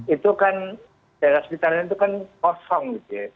itu kan daerah sekitarnya itu kan kosong gitu ya